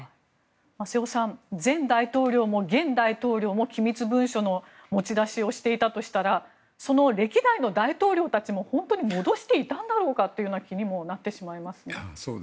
瀬尾さん前大統領も現大統領も機密文書の持ち出しをしていたとしたらその歴代の大統領たちも本当に戻していたんだろうかという気にもなってしまいますね。